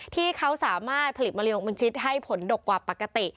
ที่เขาสามารถผลิตมะเร็งเป็นชิดให้ผลดกกว่าปกติ